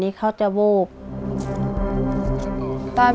พี่น้องของหนูก็ช่วยย่าทำงานค่ะ